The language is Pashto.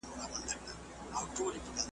ماته مو بېړۍ ده له توپان سره به څه کوو .